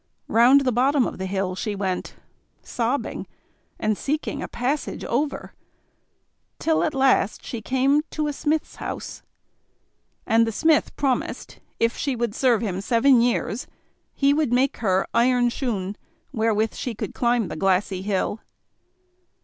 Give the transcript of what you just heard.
Round the bottom of the hill she went, sobbing and seeking a passage over, till at last she came to a smith's house; and the smith promised, if she would serve him seven years, he would make her iron shoon, wherewith she could climb over the glassy hill.